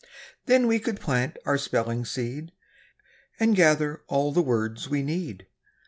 Then we could plant our spelling seed, And gather all the words we need.